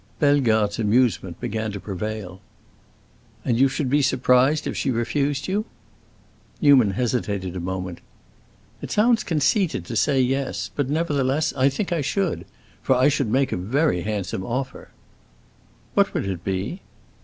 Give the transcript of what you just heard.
Bellegarde's amusement began to prevail. "And you should be surprised if she refused you?" Newman hesitated a moment. "It sounds conceited to say yes, but nevertheless I think I should. For I should make a very handsome offer." "What would it be?"